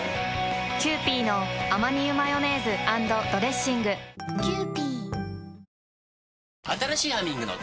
キユーピーのアマニ油マヨネーズ＆ドレッシングあー